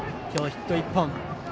今日、ヒット１本。